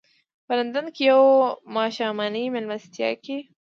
په لندن کې په یوه ماښامنۍ مېلمستیا کې.